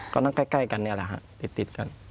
ก็นั่งใกล้กันนี่แหละฮะติดกัน